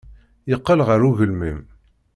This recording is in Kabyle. Yeqqel ɣer ugelmim.